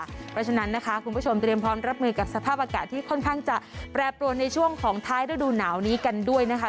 เพราะฉะนั้นนะคะคุณผู้ชมเตรียมพร้อมรับมือกับสภาพอากาศที่ค่อนข้างจะแปรปรวนในช่วงของท้ายฤดูหนาวนี้กันด้วยนะคะ